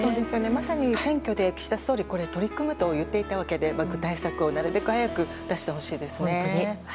まさに選挙で岸田総理取り組むと言っていたわけで具体策を、なるべく早く出してほしいですね。